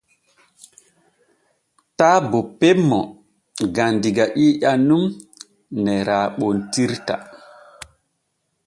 Taa bonpen mo gam diga ƴiiƴan nun ne raaɓontirta.